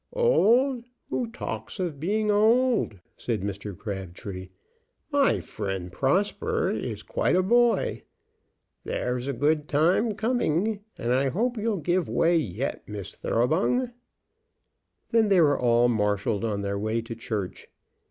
"Old! Who talks of being old?" said Mr. Crabtree. "My friend Prosper is quite a boy. There's a good time coming, and I hope you'll give way yet, Miss Thoroughbung." Then they were all marshalled on their way to church.